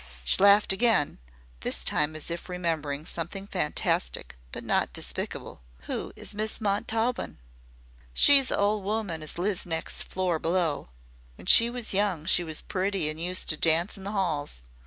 She laughed again, this time as if remembering something fantastic, but not despicable. "Who is Miss Montaubyn?" "She's a' old woman as lives next floor below. When she was young she was pretty an' used to dance in the 'alls.